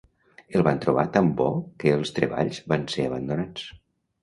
El van trobar tan bo que els treballs van ser abandonats.